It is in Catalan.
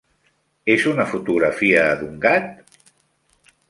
És una fotografia d'un gat?